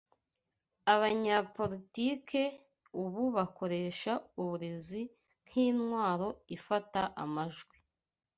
Abanyapolitike ubu bakoresha uburezi nk'intwaro ifata amajwi